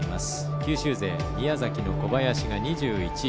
九州勢宮崎の小林が２１位。